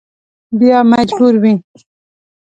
بیا مجبور وي.